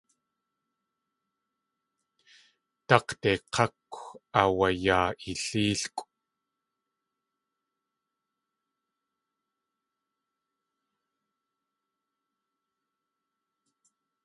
Dák̲de k̲ákw aawayaa i léelkʼw.